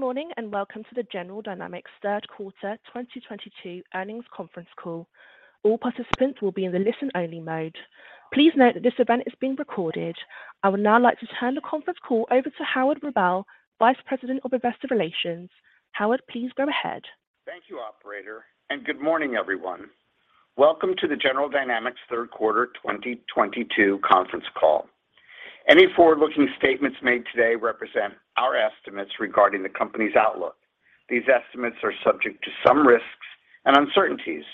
Good morning and welcome to the General Dynamics third quarter 2022 earnings conference call. All participants will be in the listen-only mode. Please note that this event is being recorded. I would now like to turn the conference call over to Howard Rubel, Vice President of Investor Relations. Howard, please go ahead. Thank you, operator, and good morning, everyone. Welcome to the General Dynamics third quarter 2022 conference call. Any forward-looking statements made today represent our estimates regarding the company's outlook. These estimates are subject to some risks and uncertainties.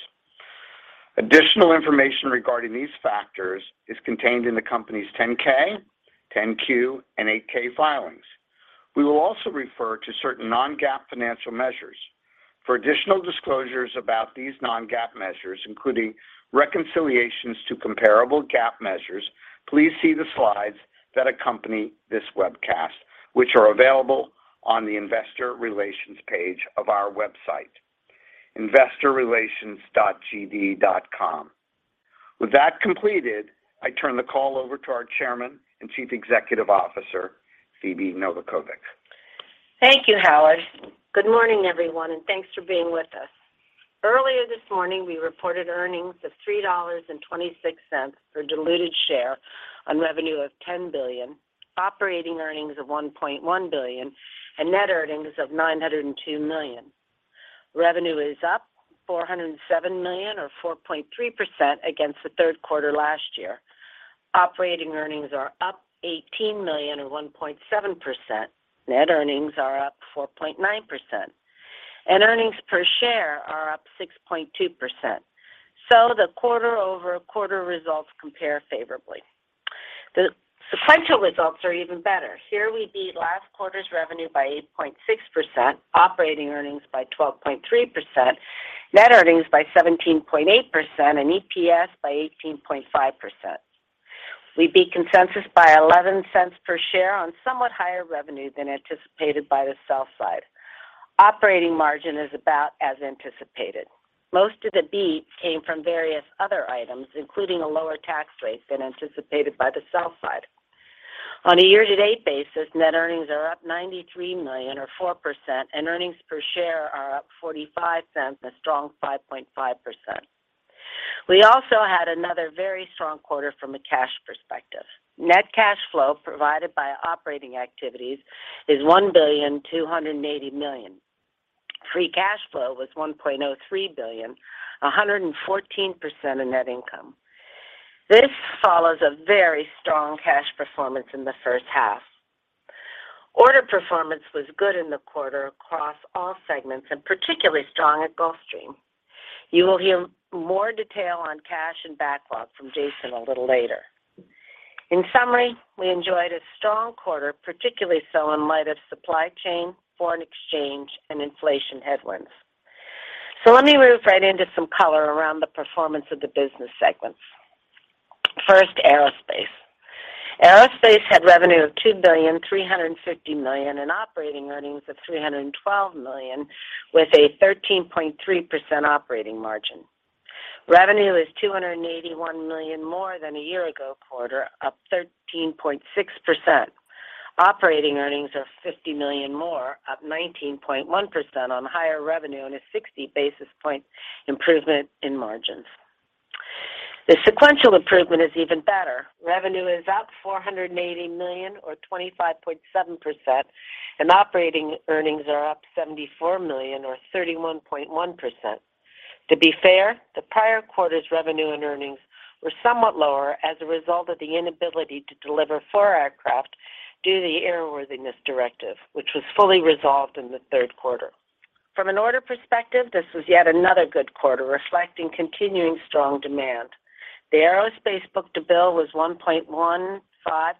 Additional information regarding these factors is contained in the company's 10-K, 10-Q, and 8-K filings. We will also refer to certain non-GAAP financial measures. For additional disclosures about these non-GAAP measures, including reconciliations to comparable GAAP measures, please see the slides that accompany this webcast, which are available on the investor relations page of our website, investorrelations.gd.com. With that completed, I turn the call over to our Chairman and Chief Executive Officer, Phebe Novakovic. Thank you, Howard. Good morning, everyone, and thanks for being with us. Earlier this morning, we reported earnings of $3.26 per diluted share on revenue of $10 billion, operating earnings of $1.1 billion, and net earnings of $902 million. Revenue is up $407 million or 4.3% against the third quarter last year. Operating earnings are up $18 million or 1.7%. Net earnings are up 4.9%. Earnings per share are up 6.2%. The quarter-over-quarter results compare favorably. The sequential results are even better. Here we beat last quarter's revenue by 8.6%, operating earnings by 12.3%, net earnings by 17.8%, and EPS by 18.5%. We beat consensus by $0.11 per share on somewhat higher revenue than anticipated by the sell side. Operating margin is about as anticipated. Most of the beats came from various other items, including a lower tax rate than anticipated by the sell side. On a year-to-date basis, net earnings are up $93 million or 4%, and earnings per share are up $0.45, a strong 5.5%. We also had another very strong quarter from a cash perspective. Net cash flow provided by operating activities is $1.28 billion. Free cash flow was $1.03 billion, 114% of net income. This follows a very strong cash performance in the first half. Order performance was good in the quarter across all segments and particularly strong at Gulfstream. You will hear more detail on cash and backlog from Jason a little later. In summary, we enjoyed a strong quarter, particularly so in light of supply chain, foreign exchange, and inflation headwinds. Let me move right into some color around the performance of the business segments. First, Aerospace. Aerospace had revenue of $2.35 billion, and operating earnings of $312 million with a 13.3% operating margin. Revenue is $281 million more than a year-ago quarter, up 13.6%. Operating earnings are $50 million more, up 19.1% on higher revenue, and a 60 basis point improvement in margins. The sequential improvement is even better. Revenue is up $480 million or 25.7%, and operating earnings are up $74 million or 31.1%. To be fair, the prior quarter's revenue and earnings were somewhat lower as a result of the inability to deliver four aircraft due to the airworthiness directive, which was fully resolved in the third quarter. From an order perspective, this was yet another good quarter, reflecting continuing strong demand. The Aerospace book-to-bill was 1.15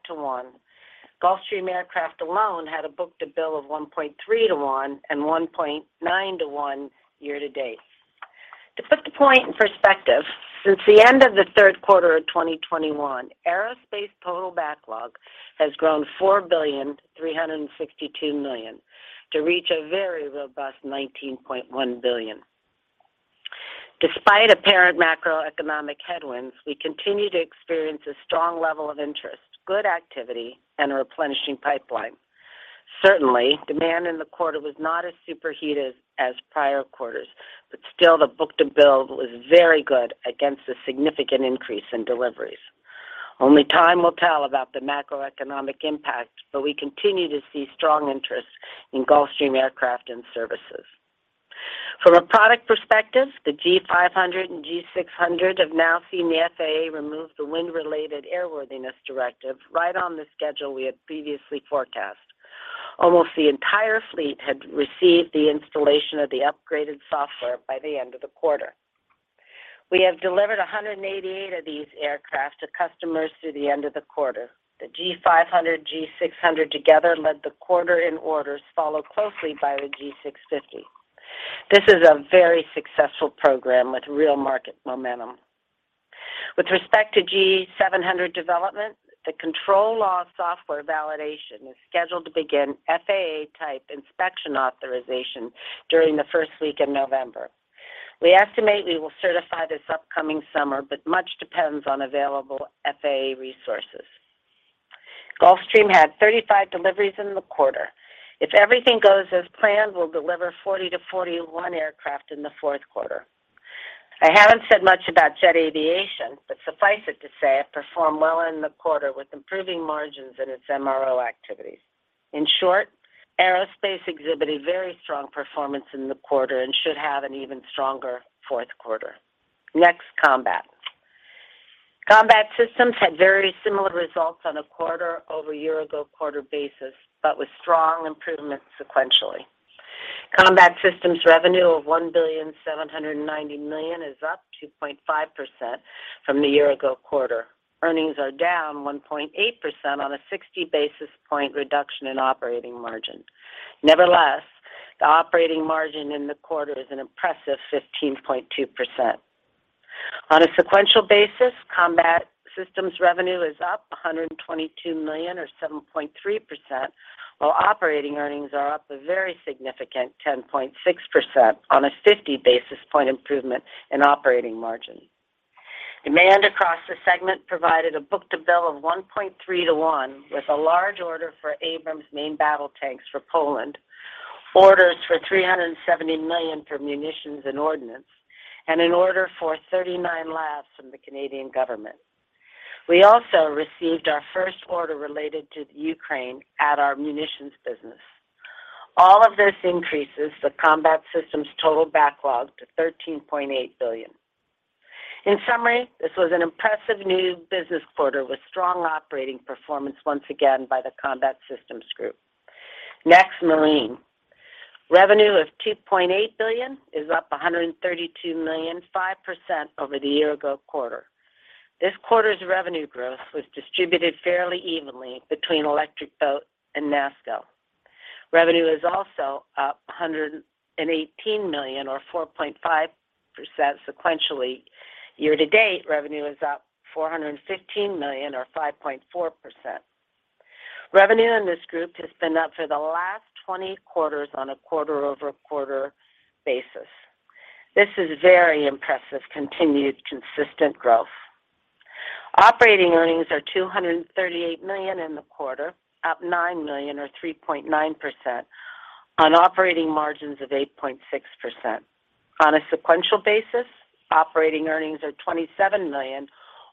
to 1. Gulfstream Aircraft alone had a book-to-bill of 1.3 to 1 and 1.9 to 1 year-to-date. To put the point in perspective, since the end of the third quarter of 2021, Aerospace total backlog has grown $4.362 billion to reach a very robust $19.1 billion. Despite apparent macroeconomic headwinds, we continue to experience a strong level of interest, good activity, and a replenishing pipeline. Certainly, demand in the quarter was not as superheated as prior quarters, but still the book-to-bill was very good against a significant increase in deliveries. Only time will tell about the macroeconomic impact, but we continue to see strong interest in Gulfstream aircraft and services. From a product perspective, the G500 and G600 have now seen the FAA remove the wind-related Airworthiness Directive right on the schedule we had previously forecast. Almost the entire fleet had received the installation of the upgraded software by the end of the quarter. We have delivered 188 of these aircraft to customers through the end of the quarter. The G500, G600 together led the quarter in orders followed closely by the G650. This is a very successful program with real market momentum. With respect to G700 development, the control law software validation is scheduled to begin FAA type inspection authorization during the first week of November. We estimate we will certify this upcoming summer, but much depends on available FAA resources. Gulfstream had 35 deliveries in the quarter. If everything goes as planned, we'll deliver 40-41 aircraft in the fourth quarter. I haven't said much about Jet Aviation, but suffice it to say it performed well in the quarter with improving margins in its MRO activities. In short, aerospace exhibited very strong performance in the quarterquarter, and should have an even stronger fourth quarter. Next, Combat. Combat Systems had very similar results on a year-over-year quarter basis, but with strong improvement sequentially. Combat Systems revenue of $1.79 billion is up 2.5% from the year ago quarter. Earnings are down 1.8% on a 60 basis point reduction in operating margin. Nevertheless, the operating margin in the quarter is an impressive 15.2%. On a sequential basis, Combat Systems revenue is up $122 million or 7.3%, while operating earnings are up a very significant 10.6% on a 50 basis point improvement in operating margin. Demand across the segment provided a book-to-bill of 1.3 to 1, with a large order for Abrams main battle tanks for Poland, orders for $370 million for munitions and ordnance, and an order for 39 LAVs from the Canadian government. We also received our first order related to Ukraine at our munitions business. All of this increases the Combat Systems total backlog to $13.8 billion. In summary, this was an impressive new business quarter with strong operating performance once again by the Combat Systems group. Next, Marine. Revenue of $2.8 billion is up $132 million, 5% over the year-ago quarter. This quarter's revenue growth was distributed fairly evenly between Electric Boat and NASSCO. Revenue is also up $118 million or 4.5% sequentially. Year-to-date, revenue is up $415 million or 5.4%. Revenue in this group has been up for the last 20 quarters on a quarter-over-quarter basis. This is very impressive, continued consistent growth. Operating earnings are $238 million in the quarter, up $9 million or 3.9% on operating margins of 8.6%. On a sequential basis, operating earnings are $27 million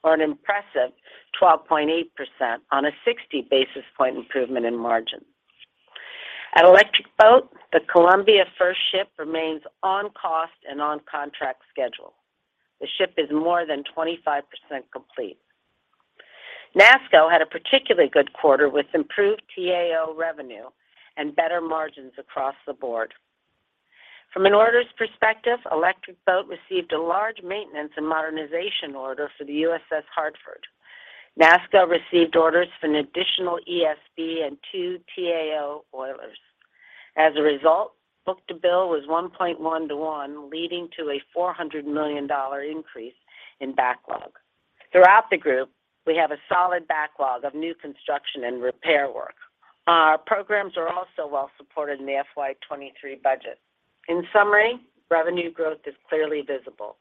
or an impressive 12.8% on a 60 basis point improvement in margin. At Electric Boat, the Columbia first ship remains on cost and on contract schedule. The ship is more than 25% complete. NASSCO had a particularly good quarter with improved T-AO revenue and better margins across the board. From an orders perspective, Electric Boat received a large maintenance and modernization order for the USS Hartford. NASSCO received orders for an additional ESB and two T-AO oilers. As a result, book-to-bill was 1.1 to 1, leading to a $400 million increase in backlog. Throughout the group, we have a solid backlog of new construction and repair work. Our programs are also well supported in the FY 2023 budget. In summary, revenue growth is clearly visible.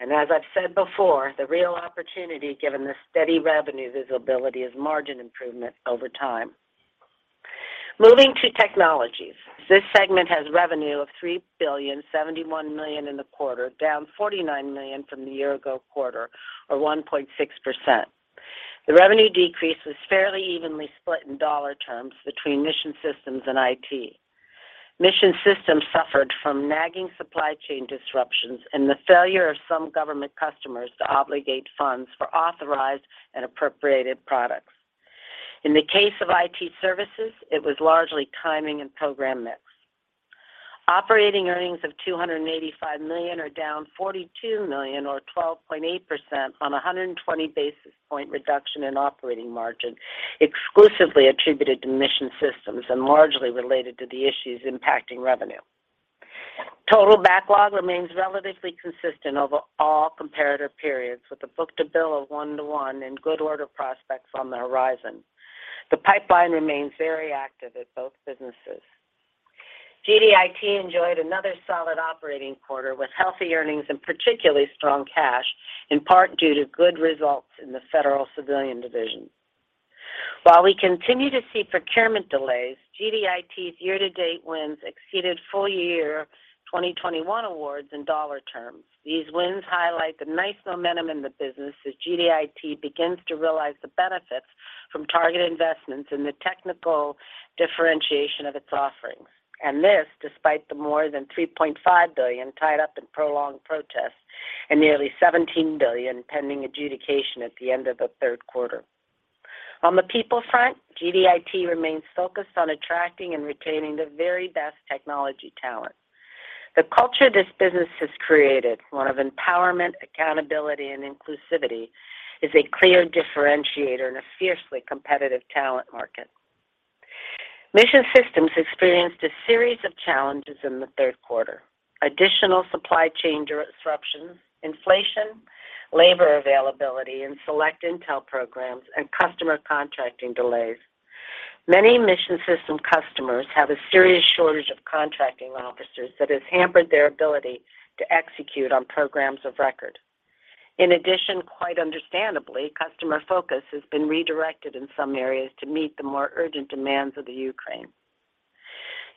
As I've said before, the real opportunity, given the steady revenue visibility, is margin improvement over time. Moving to Technologies. This segment has revenue of $3.071 billion in the quarter, down $49 million from the year-ago quarter or 1.6%. The revenue decrease was fairly evenly split in dollar terms between Mission Systems and IT. Mission Systems suffered from nagging supply chain disruptions and the failure of some government customers to obligate funds for authorized and appropriated products. In the case of IT services, it was largely timing and program mix. Operating earnings of $285 million are down $42 million or 12.8% on a 120 basis point reduction in operating margin, exclusively attributed to Mission Systems and largely related to the issues impacting revenue. Total backlog remains relatively consistent over all comparative periods with a book-to-bill of 1-to-1 and good order prospects on the horizon. The pipeline remains very active at both businesses. GDIT enjoyed another solid operating quarter with healthy earnings and particularly strong cash, in part due to good results in the federal civilian division. While we continue to see procurement delays, GDIT's year-to-date wins exceeded full-year 2021 awards in dollar terms. These wins highlight the nice momentum in the business as GDIT begins to realize the benefits from targeted investments in the technical differentiation of its offerings. This despite the more than $3.5 billion tied up in prolonged protests and nearly $17 billion pending adjudication at the end of the third quarter. On the people front, GDIT remains focused on attracting and retaining the very best technology talent. The culture this business has created, one of empowerment, accountability, and inclusivity, is a clear differentiator in a fiercely competitive talent market. Mission Systems experienced a series of challenges in the third quarter. Additional supply chain disruptions, inflation, labor availability in select intel programs, and customer contracting delays. Many Mission Systems customers have a serious shortage of contracting officers that has hampered their ability to execute on programs of record. In addition, quite understandably, customer focus has been redirected in some areas to meet the more urgent demands of Ukraine.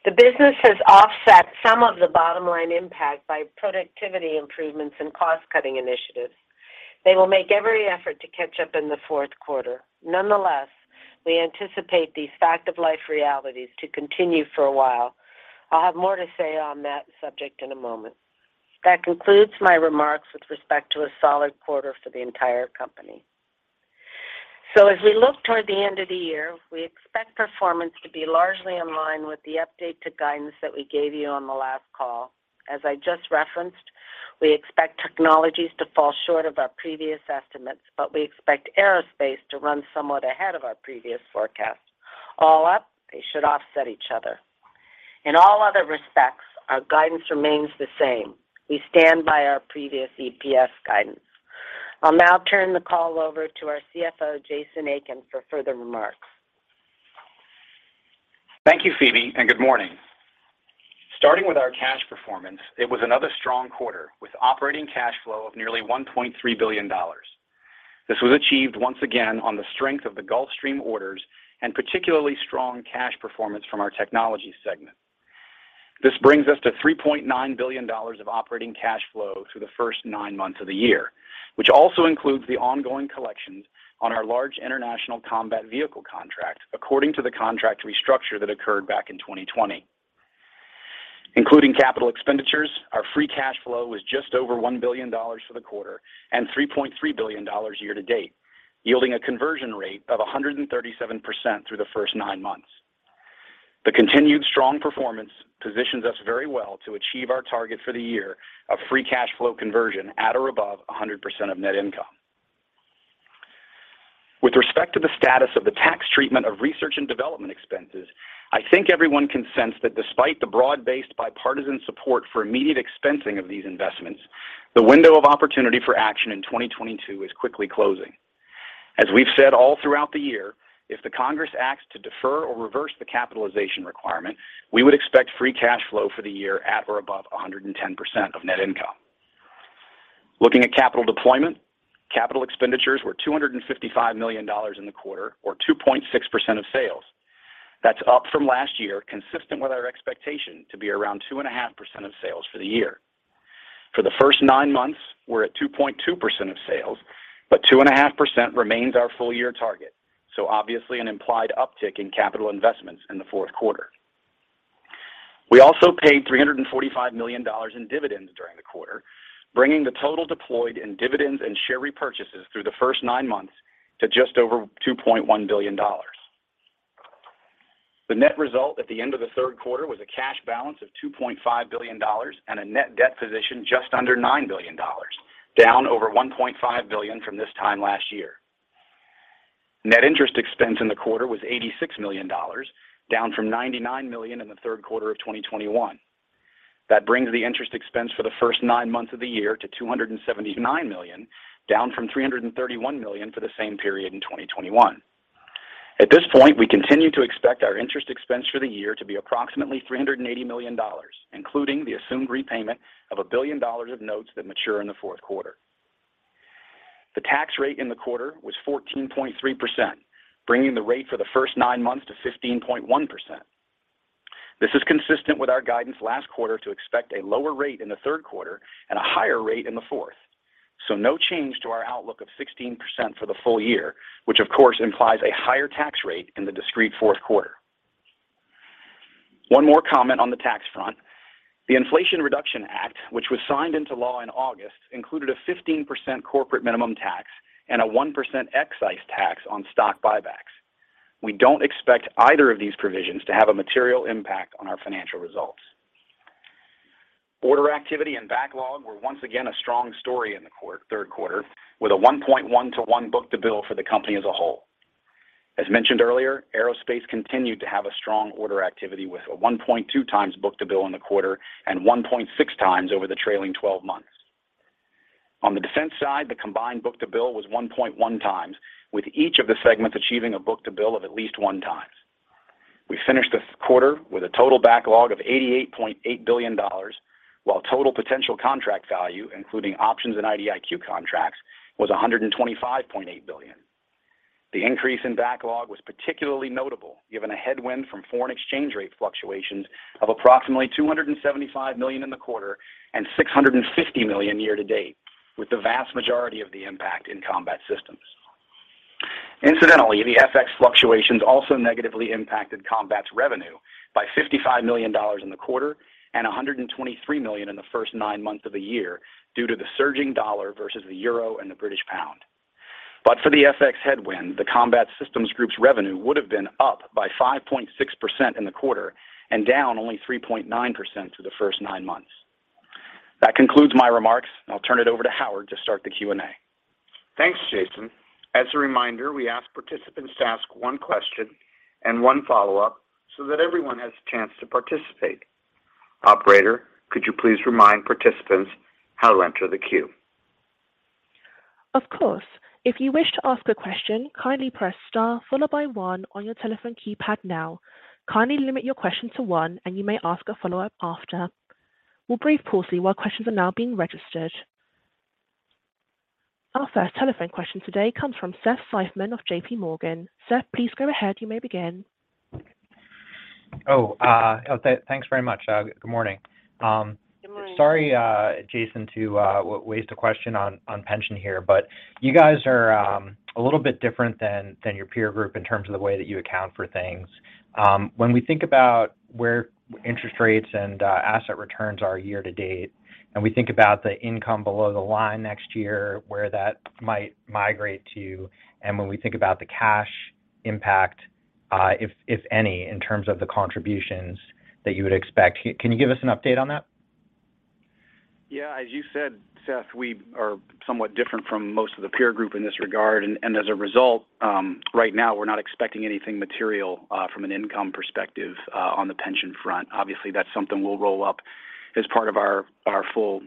The business has offset some of the bottom line impact by productivity improvements and cost-cutting initiatives. They will make every effort to catch up in the fourth quarter. Nonetheless, we anticipate these fact of life realities to continue for a while. I'll have more to say on that subject in a moment. That concludes my remarks with respect to a solid quarter for the entire company. As we look toward the end of the year, we expect performance to be largely in line with the update to guidance that we gave you on the last call. As I just referenced, we expect technologies to fall short of our previous estimates, but we expect aerospace to run somewhat ahead of our previous forecast. All up, they should offset each other. In all other respects, our guidance remains the same. We stand by our previous EPS guidance. I'll now turn the call over to our CFO, Jason Aiken, for further remarks. Thank you, Phebe, and good morning. Starting with our cash performance, it was another strong quarter with operating cash flow of nearly $1.3 billion. This was achieved once again on the strength of the Gulfstream orders and particularly strong cash performance from our technology segment. This brings us to $3.9 billion of operating cash flow through the first nine months of the year, which also includes the ongoing collections on our large international combat vehicle contract according to the contract restructure that occurred back in 2020. Including capital expenditures, our free cash flow was just over $1 billion for the quarter and $3.3 billion year to date, yielding a conversion rate of 137% through the first nine months. The continued strong performance positions us very well to achieve our target for the year of free cash flow conversion at or above 100% of net income. With respect to the status of the tax treatment of research and development expenses, I think everyone can sense that despite the broad-based bipartisan support for immediate expensing of these investments, the window of opportunity for action in 2022 is quickly closing. As we've said all throughout the year, if the Congress acts to defer or reverse the capitalization requirement, we would expect free cash flow for the year at or above 110% of net income. Looking at capital deployment, capital expenditures were $255 million in the quarter or 2.6% of sales. That's up from last year, consistent with our expectation to be around 2.5% of sales for the year. For the first nine months, we're at 2.2% of sales, but 2.5% remains our full year target. Obviously an implied uptick in capital investments in the fourth quarter. We also paid $345 million in dividends during the quarter, bringing the total deployed in dividends and share repurchases through the first nine months to just over $2.1 billion. The net result at the end of the third quarter was a cash balance of $2.5 billion and a net debt position just under $9 billion, down over $1.5 billion from this time last year. Net interest expense in the quarter was $86 million, down from $99 million in the third quarter of 2021. That brings the interest expense for the first nine months of the year to $279 million, down from $331 million for the same period in 2021. At this point, we continue to expect our interest expense for the year to be approximately $380 million, including the assumed repayment of $1 billion of notes that mature in the fourth quarter. The tax rate in the quarter was 14.3%, bringing the rate for the first nine months to 15.1%. This is consistent with our guidance last quarter to expect a lower rate in the third quarter and a higher rate in the fourth. No change to our outlook of 16% for the full year, which of course implies a higher tax rate in the discrete fourth quarter. One more comment on the tax front. The Inflation Reduction Act, which was signed into law in August, included a 15% corporate minimum tax and a 1% excise tax on stock buybacks. We don't expect either of these provisions to have a material impact on our financial results. Order activity and backlog were once again a strong story in the third quarter with a 1.1-to-1 book-to-bill for the company as a whole. As mentioned earlier, aerospace continued to have a strong order activity with a 1.2x book-to-bill in the quarter, and 1.6x over the trailing twelve months. On the defense side, the combined book-to-bill was 1.1x, with each of the segments achieving a book-to-bill of at least 1x. We finished the quarter with a total backlog of $88.8 billion, while total potential contract value, including options and IDIQ contracts, was $125.8 billion. The increase in backlog was particularly notable, given a headwind from foreign exchange rate fluctuations of approximately $275 million in the quarter and $650 million year to date, with the vast majority of the impact in Combat Systems. Incidentally, the FX fluctuations also negatively impacted Combat Systems' revenue by $55 million in the quarter, and $123 million in the first nine months of the year due to the surging dollar versus the euro and the British pound. For the FX headwind, the Combat Systems group's revenue would have been up by 5.6% in the quarter and down only 3.9% for the first nine months. That concludes my remarks, and I'll turn it over to Howard to start the Q&A. Thanks, Jason. As a reminder, we ask participants to ask one question and one follow-up so that everyone has a chance to participate. Operator, could you please remind participants how to enter the queue? Of course. If you wish to ask a question, kindly press star followed by one on your telephone keypad now. Kindly limit your question to one, and you may ask a follow-up after. We'll briefly pause while questions are now being registered. Our first telephone question today comes from Seth Seifman of JPMorgan. Seth, please go ahead. You may begin. Thanks very much. Good morning. Good morning. Sorry, Jason, to waste a question on pension here, but you guys are a little bit different than your peer group in terms of the way that you account for things. When we think about where interest rates and asset returns are year to date, and we think about the income below the line next year, where that might migrate to, and when we think about the cash impact, if any, in terms of the contributions that you would expect, can you give us an update on that? Yeah. As you said, Seth, we are somewhat different from most of the peer group in this regard. As a result, right now we're not expecting anything material from an income perspective on the pension front. Obviously, that's something we'll roll up as part of our full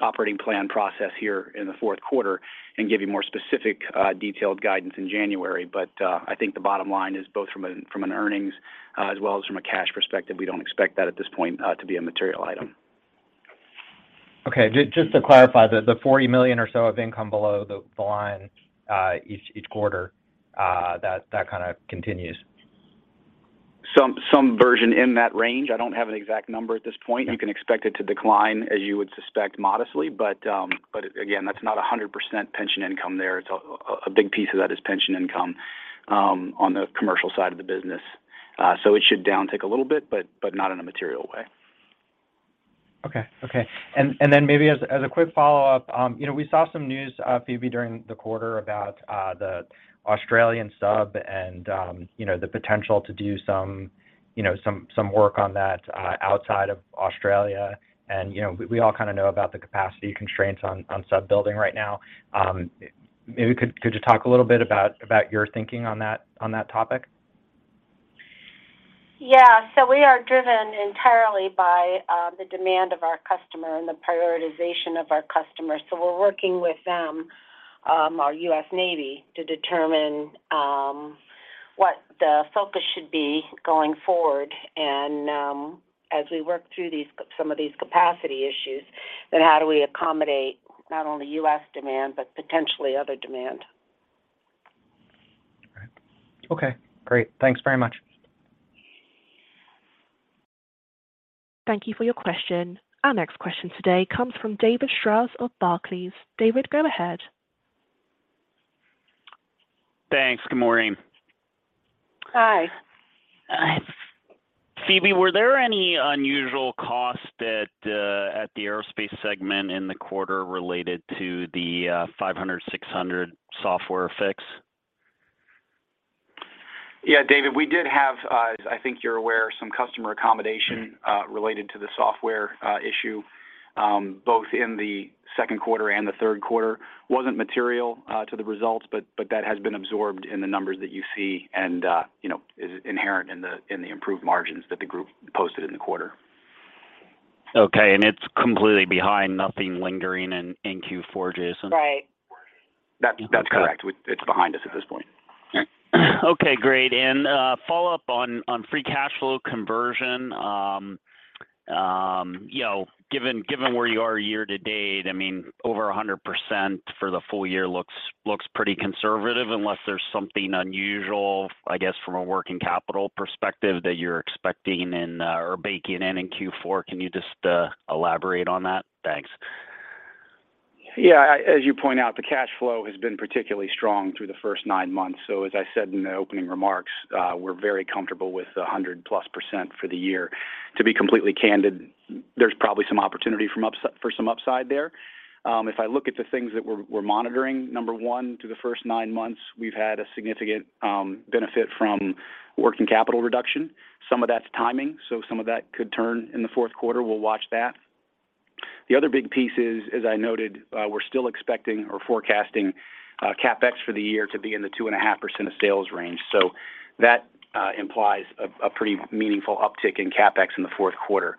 operating plan process here in the fourth quarter, and give you more specific detailed guidance in January. I think the bottom line is both from an earnings as well as from a cash perspective, we don't expect that at this point to be a material item. Okay. Just to clarify, the $40 million or so of income below the line each quarter that kind of continues. Some version in that range. I don't have an exact number at this point. Yeah. You can expect it to decline, as you would suspect, modestly. Again, that's not 100% pension income there. It's a big piece of that is pension income on the commercial side of the business. It should downtick a little bit, but not in a material way. Okay. Then maybe as a quick follow-up, you know, we saw some news, Phebe, during the quarter about the Australian sub, and you know, the potential to do some, you know, some work on that, outside of Australia. You know, we all kind of know about the capacity constraints on sub-building right now. Maybe could you talk a little bit about your thinking on that topic? Yeah. We are driven entirely by the demand of our customer and the prioritization of our customers. We're working with them, our US Navy, to determine what the focus should be going forward and, as we work through these some of these capacity issues, then how do we accommodate not only US demand, but potentially other demand. All right. Okay, great. Thanks very much. Thank you for your question. Our next question today comes from David Strauss of Barclays. David, go ahead. Thanks. Good morning. Hi. Phebe, were there any unusual costs that, at the aerospace segment in the quarter related to the G500, G600 software fix? Yeah, David, we did have, as I think you're aware, some customer accommodation related to the software issue both in the second quarter and the third quarter. Wasn't material to the results, but that has been absorbed in the numbers that you see and, you know, is inherent in the improved margins that the group posted in the quarter. Okay. It's completely behind, nothing lingering in Q4, Jason? Right. Okay. That's correct. It's behind us at this point. All right. Okay, great. Follow up on free cash flow conversion. You know, given where you are year to date, I mean, over 100% for the full year looks pretty conservative unless there's something unusual, I guess, from a working capital perspective that you're expecting in or baking in Q4. Can you just elaborate on that? Thanks. Yeah. As you point out, the cash flow has been particularly strong through the first nine months. As I said in the opening remarks, we're very comfortable with the 100%+ for the year. To be completely candid, there's probably some opportunity for some upside there. If I look at the things that we're monitoring, number one, through the first nine months, we've had a significant benefit from working capital reduction. Some of that's timing, so some of that could turn in the fourth quarter. We'll watch that. The other big piece is, as I noted, we're still expecting or forecasting CapEx for the year to be in the 2.5% of sales range. That implies a pretty meaningful uptick in CapEx in the fourth quarter.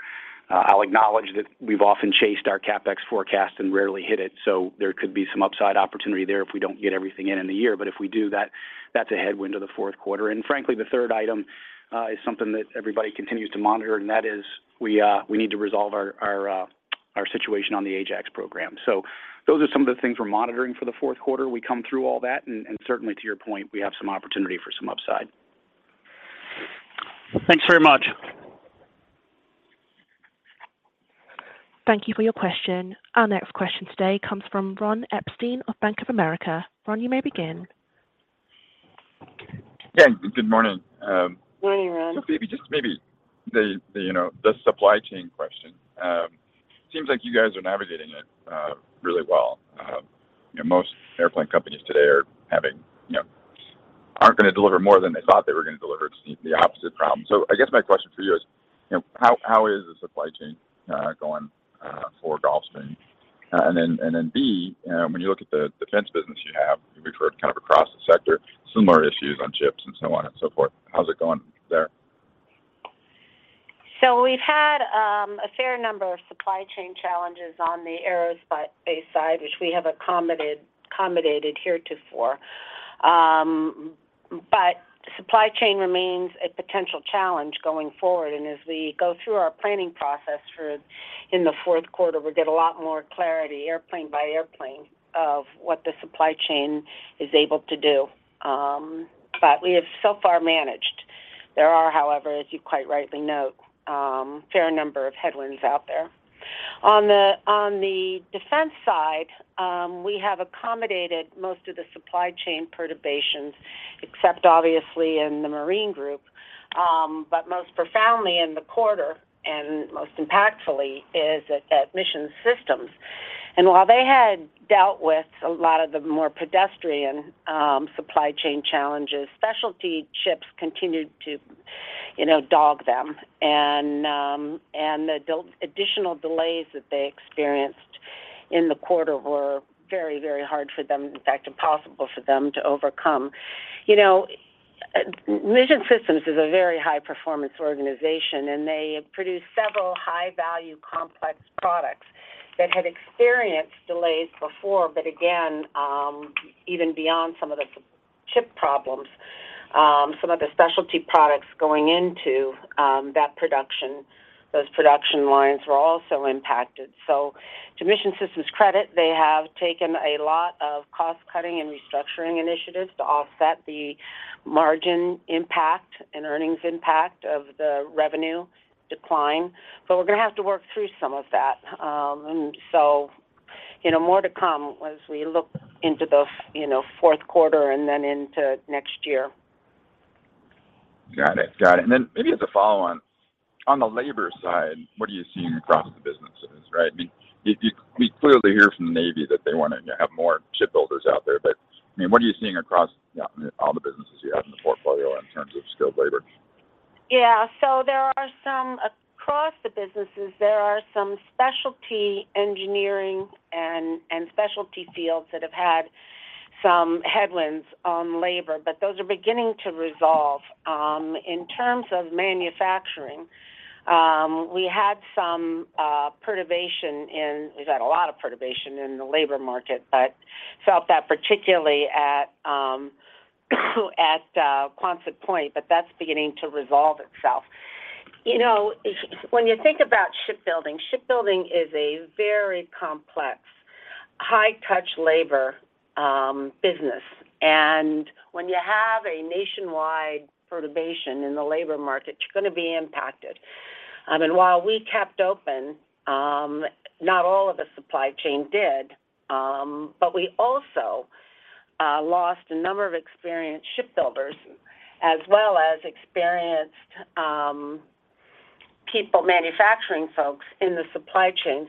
I'll acknowledge that we've often chased our CapEx forecast and rarely hit it, so there could be some upside opportunity there if we don't get everything in in the year. If we do, that's a headwind to the fourth quarter. Frankly, the third item is something that everybody continues to monitor, and that is we need to resolve our situation on the Ajax program. Those are some of the things we're monitoring for the fourth quarter. We come through all that and certainly to your point, we have some opportunity for some upside. Thanks very much. Thank you for your question. Our next question today comes from Ronald Epstein of Bank of America. Ron, you may begin. Yeah. Good morning. Morning, Ron. Maybe, just maybe the supply chain question. Seems like you guys are navigating it really well. You know, most airplane companies today are having, you know, aren't gonna deliver more than they thought they were gonna deliver, it's the opposite problem. I guess my question for you is, you know, how is the supply chain going for Gulfstream? And then B, when you look at the defense business you have, you referred kind of across the sector, similar issues on chips and so on and so forth. How's it going there? We've had a fair number of supply chain challenges on the aerospace side, which we have accommodated heretofore. But supply chain remains a potential challenge going forward. As we go through our planning process in the fourth quarter, we get a lot more clarity airplane by airplane of what the supply chain is able to do. But we have so far managed. There are, however, as you quite rightly note, fair number of headwinds out there. On the defense side, we have accommodated most of the supply chain perturbations, except obviously in the Marine Systems, but most profoundly in the quarter and most impactfully at Mission Systems. While they had dealt with a lot of the more pedestrian supply chain challenges, specialty ships continued to, you know, dog them. Additional delays that they experienced in the quarter were very, very hard for them. In fact, impossible for them to overcome. You know, Mission Systems is a very high performance organization, and they produce several high-value complex products that had experienced delays before. Again, even beyond some of the chip problems, some of the specialty products going into that production, those production lines were also impacted. To Mission Systems credit, they have taken a lot of cost cutting and restructuring initiatives to offset the margin impact and earnings impact of the revenue decline. We're gonna have to work through some of that. You know, more to come as we look into the fourth quarter and then into next year. Got it. Then maybe as a follow-on, on the labor side, what are you seeing across the businesses, right? I mean, we clearly hear from the Navy that they wanna have more shipbuilders out there. I mean, what are you seeing across, you know, all the businesses you have in the portfolio in terms of skilled labor? Yeah. There are some across the businesses, there are some specialty engineering and specialty fields that have had some headwinds on labor, but those are beginning to resolve. In terms of manufacturing, we've had a lot of perturbation in the labor market, but felt that particularly at Quonset Point, but that's beginning to resolve itself. You know, when you think about shipbuilding is a very complex, high touch labor business. When you have a nationwide perturbation in the labor market, you're gonna be impacted. While we kept open, not all of the supply chain did, but we also lost a number of experienced shipbuilders as well as experienced people, manufacturing folks in the supply chain.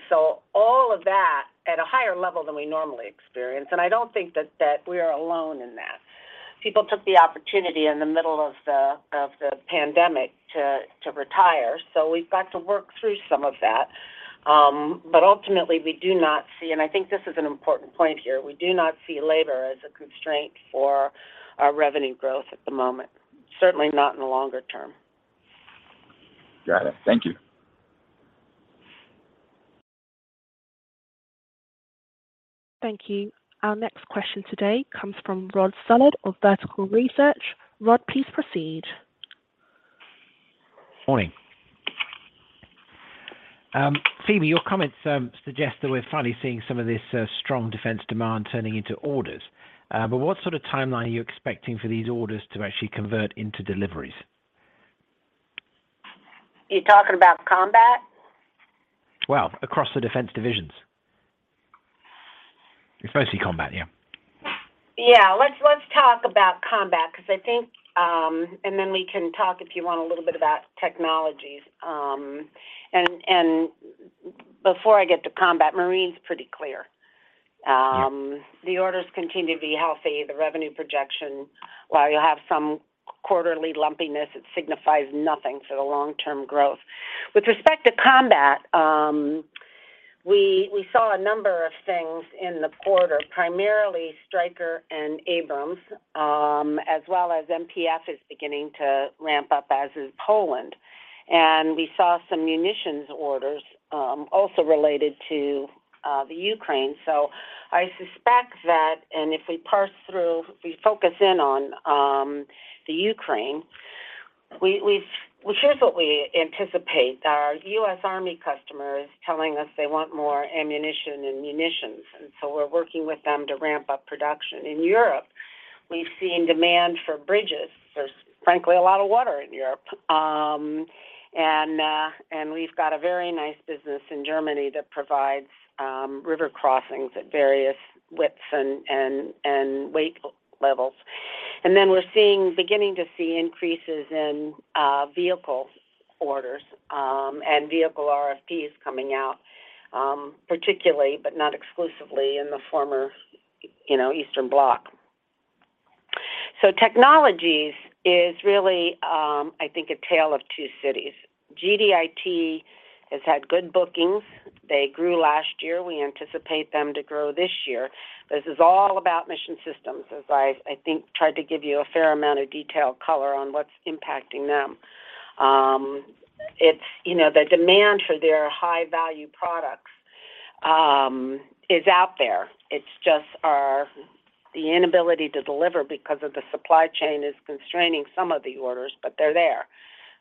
All of that at a higher level than we normally experience. I don't think that we are alone in that. People took the opportunity in the middle of the pandemic to retire, so we've got to work through some of that. Ultimately, we do not see, and I think this is an important point here, we do not see labor as a constraint for our revenue growth at the moment, certainly not in the longer term. Got it. Thank you. Thank you. Our next question today comes from Robert Stallard of Vertical Research Partners. Robert, please proceed. Morning. Phebe, your comments suggest that we're finally seeing some of this strong defense demand turning into orders. What sort of timeline are you expecting for these orders to actually convert into deliveries? You're talking about combat? Well, across the defense divisions. Especially Combat, yeah. Yeah. Let's talk about combat because I think and then we can talk, if you want, a little bit about technologies. Before I get to combat, Marine's pretty clear. The orders continue to be healthy. The revenue projection, while you'll have some quarterly lumpiness, it signifies nothing for the long-term growth. With respect to combat, we saw a number of things in the quarter, primarily Stryker and Abrams, as well as MPF is beginning to ramp up, as is Poland. We saw some munitions orders, also related to the Ukraine. I suspect that and if we parse through, if we focus in on the Ukraine. Here's what we anticipate. Our US Army customer is telling us they want more ammunition and munitions, and so we're working with them to ramp up production. In Europe, we've seen demand for bridges. There's frankly a lot of water in Europe. We've got a very nice business in Germany that provides river crossings at various widths and weight levels. We're beginning to see increases in vehicle orders and vehicle RFPs coming out, particularly, but not exclusively in the former, you know, Eastern Bloc. Technologies is really, I think, a tale of two cities. GDIT has had good bookings. They grew last year. We anticipate them to grow this year. This is all about Mission Systems, as I think tried to give you a fair amount of detailed color on what's impacting them. It's, you know, the demand for their high-value products is out there. It's just the inability to deliver because of the supply chain is constraining some of the orders, but they're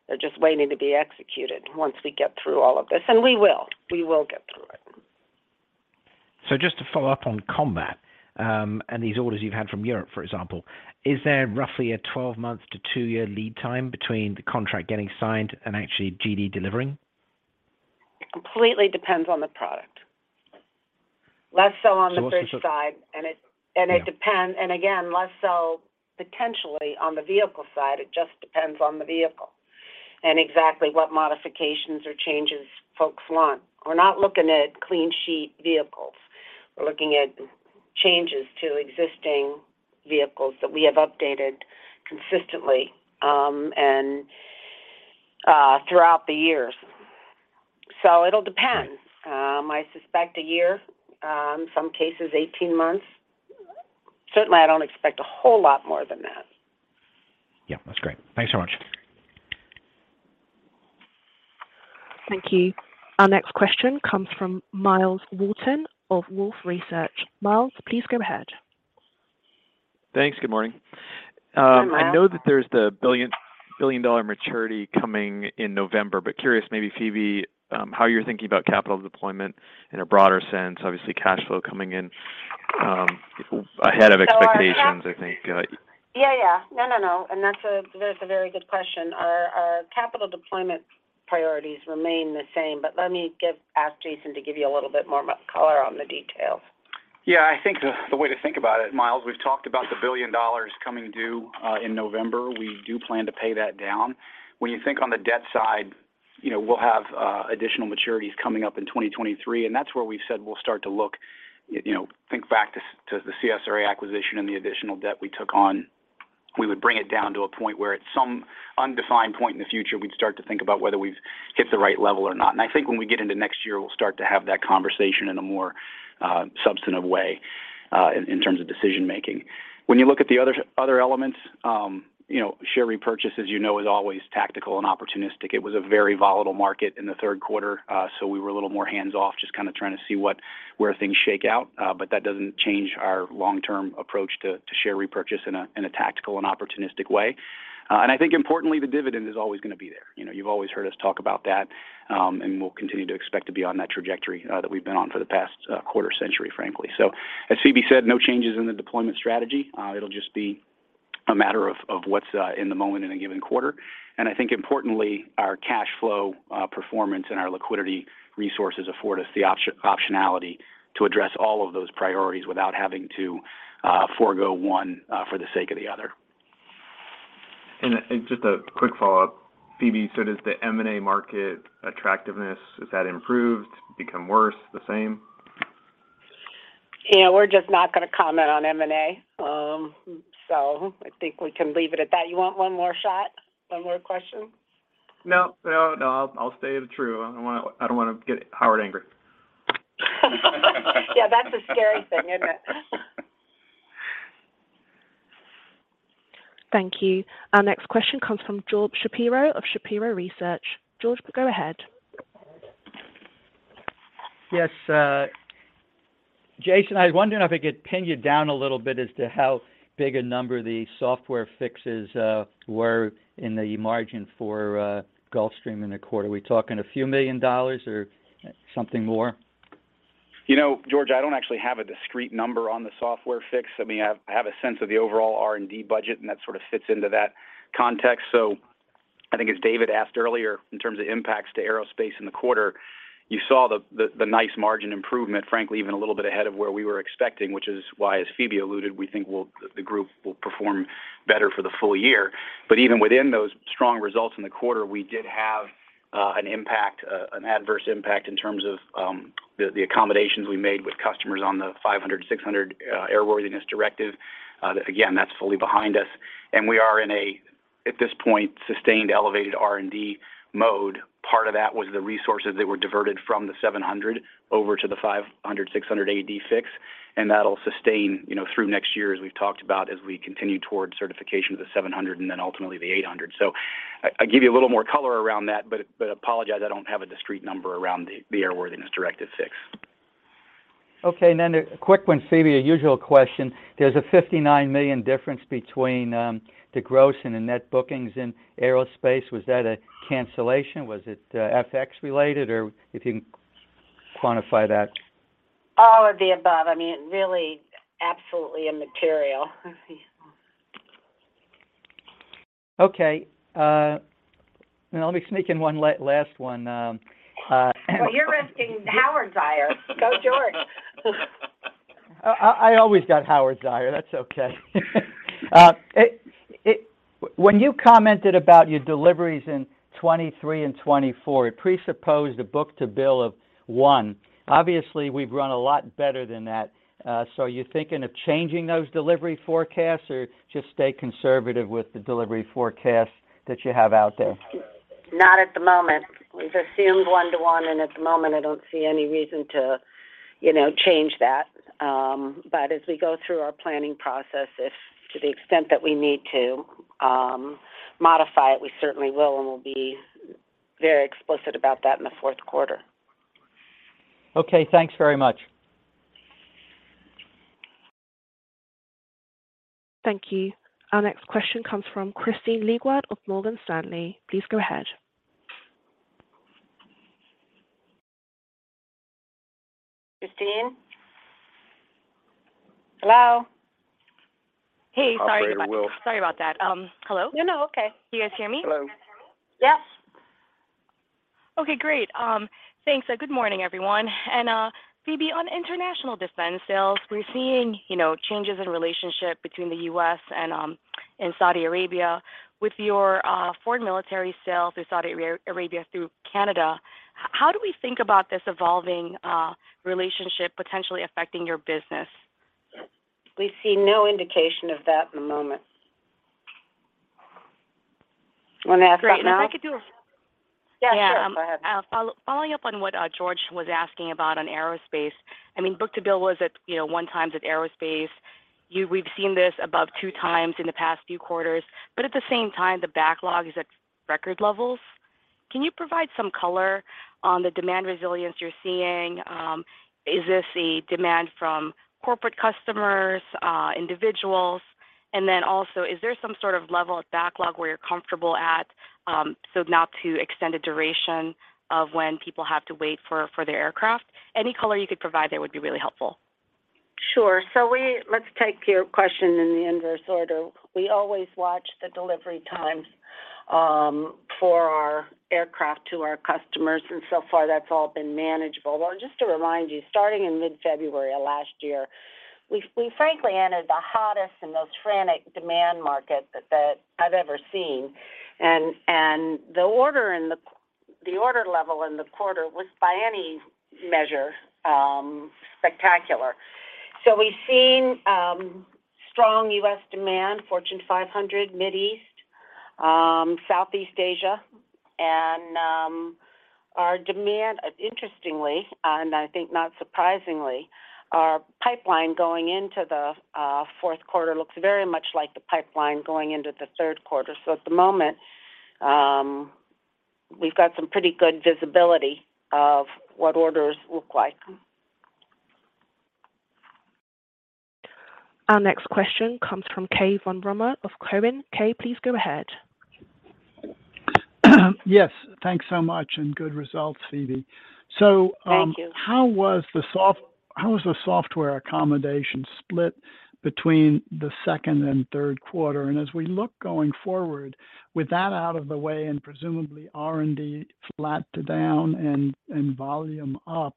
there. They're just waiting to be executed once we get through all of this, and we will. We will get through it. Just to follow up on combat, and these orders you've had from Europe, for example, is there roughly a 12-month to two-year lead time between the contract getting signed and actually GD delivering? Completely depends on the product. Less so on the bridge side. So- And it, and it depends- Yeah Less so potentially on the vehicle side. It just depends on the vehicle and exactly what modifications or changes folks want. We're not looking at clean sheet vehicles. We're looking at changes to existing vehicles that we have updated consistently throughout the years. It'll depend. I suspect a year, some cases 18 months. Certainly, I don't expect a whole lot more than that. Yeah, that's great. Thanks so much. Thank you. Our next question comes from Myles Walton of Wolfe Research. Myles, please go ahead. Thanks. Good morning. Hi, Myles. I know that there's the billion-dollar maturity coming in November, but I'm curious maybe, Phebe, how you're thinking about capital deployment in a broader sense, obviously cash flow coming in ahead of expectations, I think. Yeah, yeah. No, no. That's a very good question. Our capital deployment priorities remain the same, but let me ask Jason to give you a little bit more color on the details. Yeah. I think the way to think about it, Myles, we've talked about the $1 billion coming due in November. We do plan to pay that down. When you think on the debt side, you know, we'll have additional maturities coming up in 2023, and that's where we said we'll start to look, you know, think back to the CSRA acquisition and the additional debt we took on. We would bring it down to a point where at some undefined point in the future, we'd start to think about whether we've hit the right level or not. I think when we get into next year, we'll start to have that conversation in a more substantive way in terms of decision making. When you look at the other elements, you know, share repurchases, you know, is always tactical and opportunistic. It was a very volatile market in the third quarter, so we were a little more hands-off, just kinda trying to see where things shake out. That doesn't change our long-term approach to share repurchase in a tactical and opportunistic way. I think importantly, the dividend is always gonna be there. You know, you've always heard us talk about that, and we'll continue to expect to be on that trajectory that we've been on for the past quarter century, frankly. As Phebe said, no changes in the deployment strategy. It'll just be a matter of what's in the moment in a given quarter. I think importantly, our cash flow performance and our liquidity resources afford us the optionality to address all of those priorities without having to forego one for the sake of the other. Just a quick follow-up. Phebe, does the M&A market attractiveness, has that improved, become worse, the same? You know, we're just not gonna comment on M&A. I think we can leave it at that. You want one more shot, one more question? No. I'll stay true. I don't wanna get Howard angry. Yeah, that's a scary thing, isn't it? Thank you. Our next question comes from George Shapiro of Shapiro Research. George, go ahead. Yes. Jason, I was wondering if I could pin you down a little bit as to how big a number the software fixes were in the margin for Gulfstream in the quarter? Are we talking few million dollars or something more? You know, George, I don't actually have a discrete number on the software fix. I mean, I have a sense of the overall R&D budget, and that sort of fits into that context. I think as David asked earlier in terms of impacts to aerospace in the quarter, you saw the nice margin improvement, frankly, even a little bit ahead of where we were expecting, which is why, as Phebe alluded, we think the group will perform better for the full year. Even within those strong results in the quarter, we did have an impact, an adverse impact in terms of the accommodations we made with customers on the G500, G600 Airworthiness Directive. Again, that's fully behind us. We are in, at this point, a sustained elevated R&D mode. Part of that was the resources that were diverted from the G700 over to the G500, G600, and G650, and that'll sustain, you know, through next year, as we've talked about, as we continue towards certification of the G700 and then ultimately the G800. I give you a little more color around that, but I apologize, I don't have a discrete number around the Airworthiness Directive fix. Okay. A quick one, Phebe, a usual question. There's a $59 million difference between the gross and the net bookings in aerospace. Was that a cancellation? Was it FX reated, or if you can quantify that? All of the above. I mean, really absolutely immaterial. Okay. I'll be sneaking one last one. Well, you're risking Howard's ire. George. I always got Howard's ire. That's okay. When you commented about your deliveries in 2023 and 2024, it presupposed a book-to-bill of one. Obviously, we've run a lot better than that. So are you thinking of changing those delivery forecasts or just stay conservative with the delivery forecast that you have out there? Not at the moment. We've assumed 1 to 1, and at the moment I don't see any reason to, you know, change that. As we go through our planning process, if to the extent that we need to modify it, we certainly will, and we'll be very explicit about that in the fourth quarter. Okay, thanks very much. Thank you. Our next question comes from Kristine Liwag of Morgan Stanley. Please go ahead. Kristine? Hello? Hey, sorry about. Operator. Sorry about that. Hello? No, no. Okay. Can you guys hear me? Hello. Yes. Okay, great. Thanks. Good morning, everyone. Phebe, on international defense sales, we're seeing changes in relationship between the U.S. and Saudi Arabia. With your foreign military sales to Saudi Arabia through Canada, how do we think about this evolving relationship potentially affecting your business? We see no indication of that at the moment. Wanna add to that now? Great. Yeah, sure. Go ahead. Yeah. Following up on what George was asking about on aerospace. I mean, book-to-bill was at, you know, 1x at aerospace. We've seen this above 2x in the past few quarters, but at the same time, the backlog is at record levels. Can you provide some color on the demand resilience you're seeing? Is this a demand from corporate customers, individuals? And then also, is there some sort of level of backlog where you're comfortable at, so not to extend the duration of when people have to wait for their aircraft? Any color you could provide there would be really helpful. Sure. Let's take your question in the inverse order. We always watch the delivery times for our aircraft to our customers, and so far that's all been manageable. Well, just to remind you, starting in mid-February of last year, we frankly entered the hottest and most frantic demand market that I've ever seen. The order level in the quarter was by any measure spectacular. We've seen strong US demand, Fortune 500, Middle East, Southeast Asia. Our demand, interestingly, and I think not surprisingly, our pipeline going into the fourth quarter looks very much like the pipeline going into the third quarter. At the moment, we've got some pretty good visibility of what orders look like. Our next question comes from Cai von Rumohr of TD Cowen. Cai, please go ahead. Yes. Thanks so much, and good results, Phebe. Thank you. How was the software amortization split between the second and third quarter? As we look going forward, with that out of the way and presumably R&D flat to down and volume up,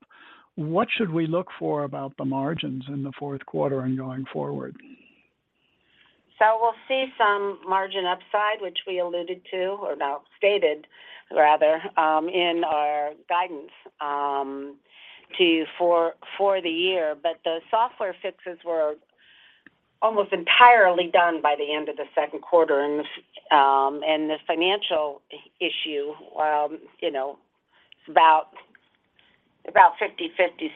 what should we look for about the margins in the fourth quarter and going forward? We'll see some margin upside, which we alluded to or about stated rather in our guidance for the year. The software fixes were almost entirely done by the end of the second quarter. The financial issue, you know, is about 50/50.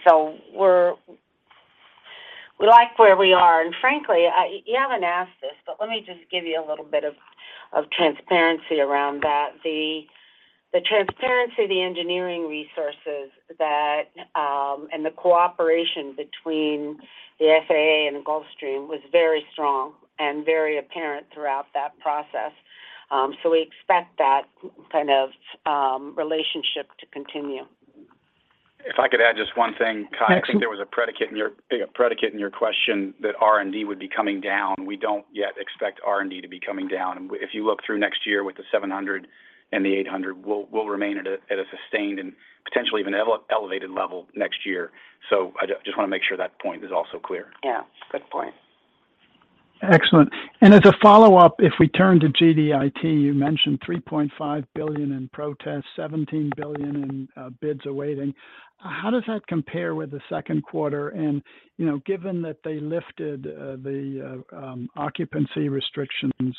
We like where we are. Frankly, you haven't asked this, but let me just give you a little bit of transparency around that. The transparency of the engineering resources and the cooperation between the FAA and Gulfstream was very strong and very apparent throughout that process. We expect that kind of relationship to continue. If I could add just one thing, Cai. Yes. I think there was a predicate in your question that R&D would be coming down. We don't yet expect R&D to be coming down. If you look through next year with the G700 and the G800, we'll remain at a sustained and potentially even elevated level next year. I just wanna make sure that point is also clear. Yeah. Good point. Excellent. As a follow-up, if we turn to GDIT, you mentioned $3.5 billion in protests, $17 billion in bids awaiting. How does that compare with the second quarter? You know, given that they lifted the occupancy restrictions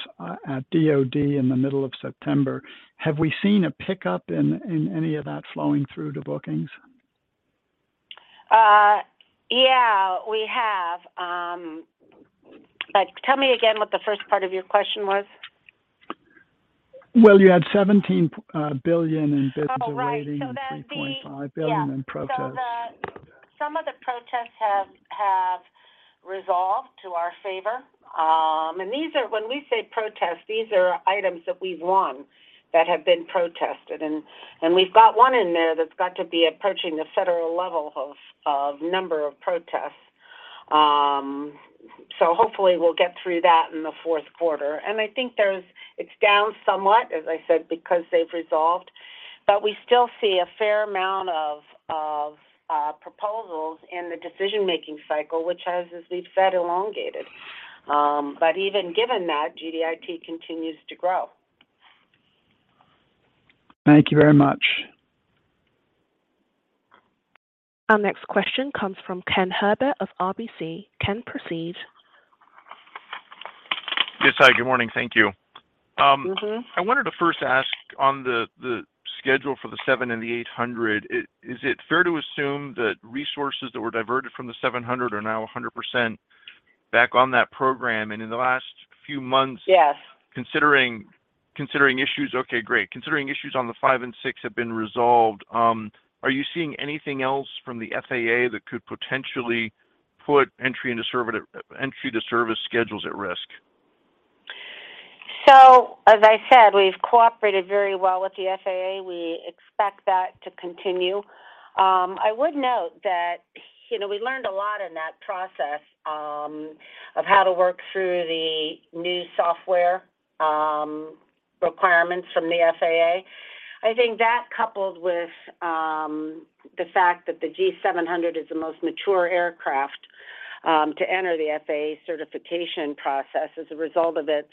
at DoD in the middle of September, have we seen a pickup in any of that flowing through to bookings? Yeah, we have. Tell me again what the first part of your question was? Well, you had $17 billion in bids awaiting. Oh, right. $3.5 billion in profits. Yeah. Some of the protests have resolved to our favor. These are items that we've won that have been protested. We've got one in there that's got to be approaching the federal level of number of protests. Hopefully we'll get through that in the fourth quarter. It's down somewhat, as I said, because they've resolved. We still see a fair amount of proposals in the decision-making cycle, which has, as we've said, elongated. Even given that, GDIT continues to grow. Thank you very much. Our next question comes from Ken Herbert of RBC. Ken, proceed. Yes, hi. Good morning. Thank you. Mm-hmm. I wanted to first ask on the schedule for the G700 and the G800. Is it fair to assume that resources that were diverted from the G700 are now 100% back on that program? In the last few months- Yes. Considering issues on the five and six have been resolved, are you seeing anything else from the FAA that could potentially put entry into service schedules at risk? As I said, we've cooperated very well with the FAA. We expect that to continue. I would note that, you know, we learned a lot in that process, of how to work through the new software requirements from the FAA. I think that coupled with the fact that the G700 is the most mature aircraft to enter the FAA certification process as a result of its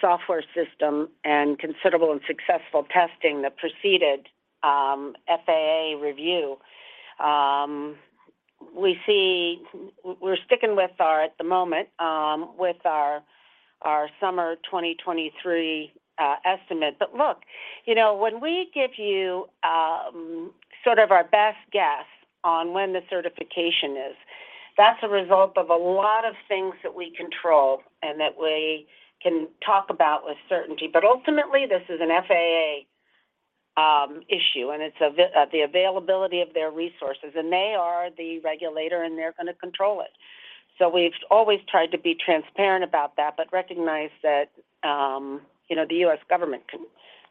software system and considerable and successful testing that preceded FAA review. We're sticking with our summer 2023 estimate at the moment. Look, you know, when we give you sort of our best guess on when the certification is, that's a result of a lot of things that we control and that we can talk about with certainty. Ultimately, this is an FAA issue, and it's the availability of their resources, and they are the regulator, and they're gonna control it. We've always tried to be transparent about that, but recognize that, you know, the U.S. government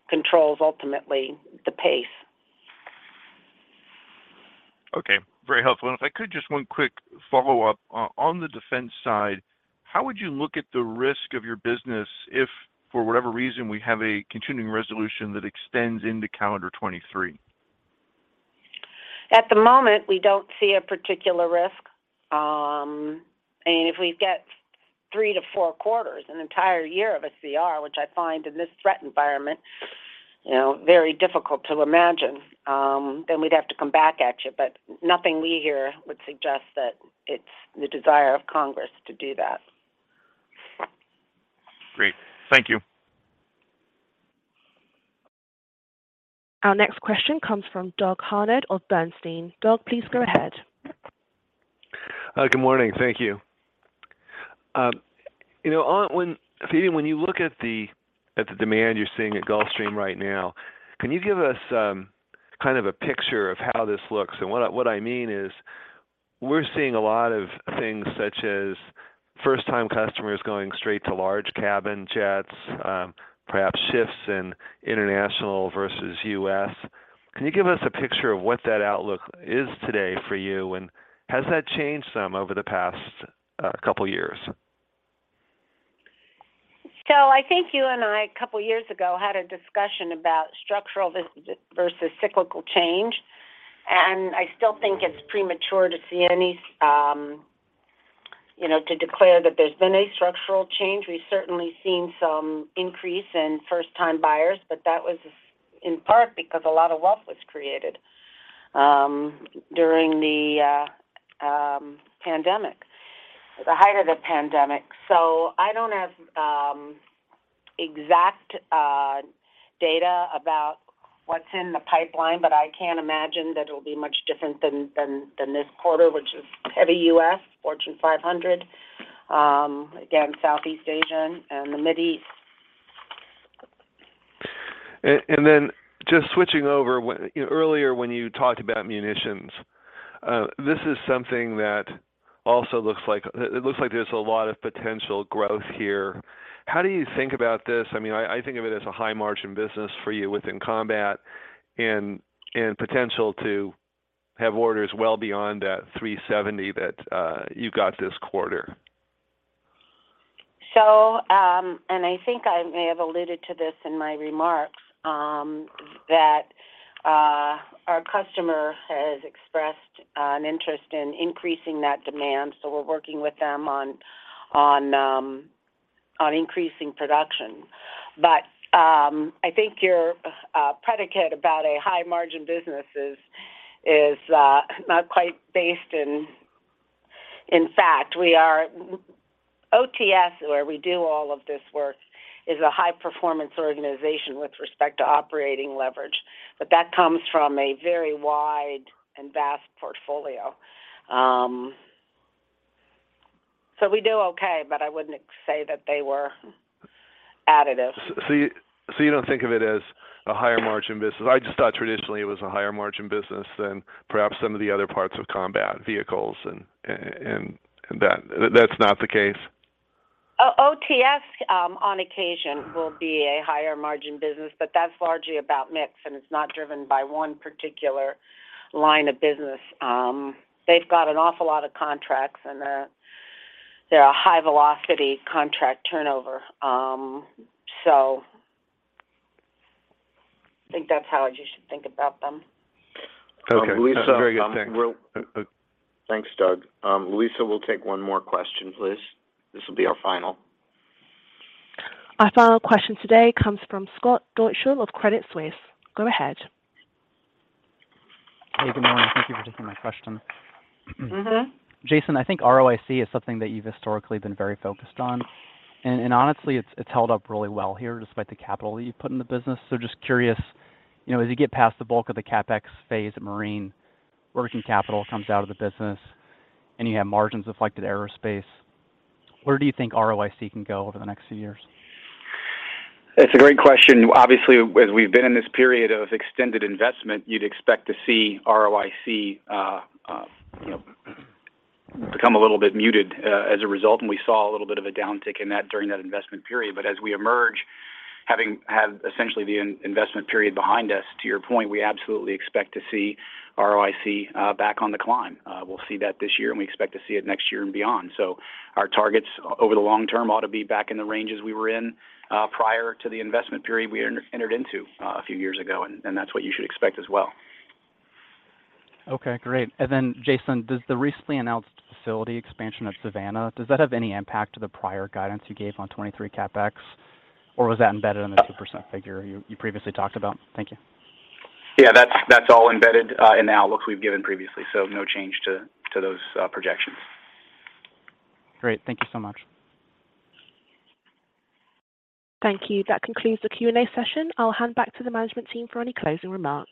controls ultimately the pace. Okay. Very helpful. If I could, just one quick follow-up. On the defense side, how would you look at the risk of your business if, for whatever reason, we have a continuing resolution that extends into calendar 2023? At the moment, we don't see a particular risk. If we get 3-4 quarters, an entire year of a CR, which I find in this threat environment, you know, very difficult to imagine, then we'd have to come back at you. Nothing we hear would suggest that it's the desire of Congress to do that. Great. Thank you. Our next question comes from Doug Harned of Bernstein. Doug, please go ahead. Good morning. Thank you. You know, when Phebe, when you look at the demand you're seeing at Gulfstream right now, can you give us kind of a picture of how this looks? What I mean is we're seeing a lot of things such as first-time customers going straight to large cabin jets, perhaps shifts in international versus U.S. Can you give us a picture of what that outlook is today for you, and has that changed some over the past couple years? I think you and I, a couple years ago, had a discussion about structural versus cyclical change, and I still think it's premature to see any, you know, to declare that there's been a structural change. We've certainly seen some increase in first-time buyers, but that was in part because a lot of wealth was created during the pandemic, the height of the pandemic. I don't have exact data about what's in the pipeline, but I can't imagine that it'll be much different than this quarter, which is heavy US Fortune 500, again, Southeast Asian, and the Mideast. Just switching over, earlier when you talked about munitions, this is something that also looks like there's a lot of potential growth here. How do you think about this? I mean, I think of it as a high-margin business for you within combat and potential to have orders well beyond that $370 million that you got this quarter. I think I may have alluded to this in my remarks that our customer has expressed an interest in increasing that demand, so we're working with them on increasing production. I think your predicate about a high-margin business is not quite based in fact. OTS, where we do all of this work, is a high-performance organization with respect to operating leverage, but that comes from a very wide and vast portfolio. We do okay, but I wouldn't say that they were additive. You don't think of it as a higher margin business. I just thought traditionally it was a higher margin business than perhaps some of the other parts of combat vehicles and that. That's not the case? OTS, on occasion will be a higher margin business, but that's largely about mix, and it's not driven by one particular line of business. They've got an awful lot of contracts, and they're a high-velocity contract turnover. I think that's how I just should think about them. Okay. Very good. Thanks. Lisa, we'll- Thanks, Doug. Lisa, we'll take one more question, please. This will be our final. Our final question today comes from Scott Deuschle of Credit Suisse. Go ahead. Hey, good morning. Thank you for taking my question. Mm-hmm. Jason, I think ROIC is something that you've historically been very focused on. Honestly, it's held up really well here despite the capital that you've put in the business. Just curious, you know, as you get past the bulk of the CapEx phase of Marine, working capital comes out of the business, and you have margins expanding in Aerospace, where do you think ROIC can go over the next few years? It's a great question. Obviously, as we've been in this period of extended investment, you'd expect to see ROIC, you know, become a little bit muted as a result, and we saw a little bit of a downtick in that during that investment period. As we emerge, having had essentially the investment period behind us, to your point, we absolutely expect to see ROIC back on the climb. We'll see that this year, and we expect to see it next year and beyond. Our targets over the long term ought to be back in the ranges we were in prior to the investment period we entered into a few years ago, and that's what you should expect as well. Okay, great. Jason, does the recently announced facility expansion of Savannah, does that have any impact to the prior guidance you gave on 2023 CapEx, or was that embedded in the 2% figure you previously talked about? Thank you. Yeah, that's all embedded in the outlooks we've given previously, so no change to those projections. Great. Thank you so much. Thank you. That concludes the Q&A session. I'll hand back to the management team for any closing remarks.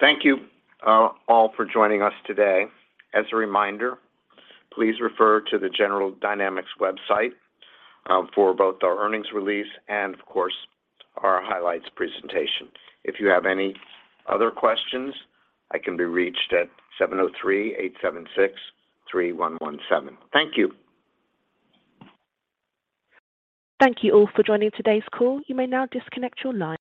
Thank you, all for joining us today. As a reminder, please refer to the General Dynamics website for both our earnings release and of course, our highlights presentation. If you have any other questions, I can be reached at 703-876-3117. Thank you. Thank you all for joining today's call. You may now disconnect your lines.